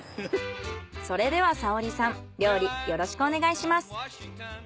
それでは沙織さん料理よろしくお願いします。